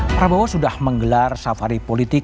prabowo sudah menggelar safari politik